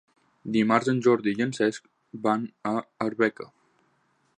Dimarts en Jordi i en Cesc van a Arbeca.